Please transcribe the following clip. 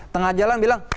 tengah jalan bilang